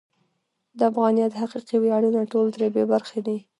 د افغانیت حقیقي ویاړونه ټول ترې بې برخې دي.